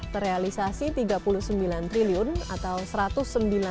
terrealisasi rp tiga puluh sembilan triliun atau setara